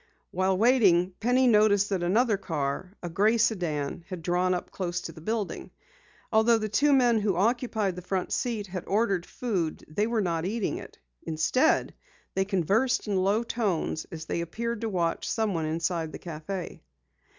While waiting, Penny noticed that another car, a gray sedan, had drawn up close to the building. Although the two men who occupied the front seat had ordered food, they were not eating it. Instead they conversed in low tones as they appeared to watch someone inside the cafe.